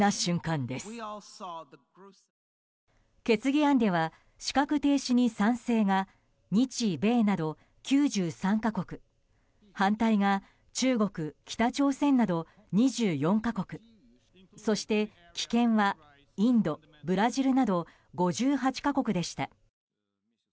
決議案では資格停止に賛成が日米など９３か国反対が中国、北朝鮮など２４か国そして棄権はインドブラジルなど５８か国でした。